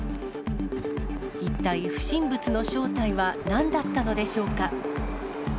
一体不審物の正体はなんだったのでしょうか。